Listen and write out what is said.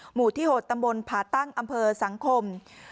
หมู่ที่๖ตำบลผ่าตั้งอำเภอสังคม